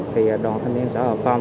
thì đoàn thanh niên xã hòa phòng